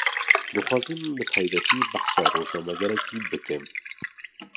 Dixwazim bi taybetî, behsa rojnamegerekî bikim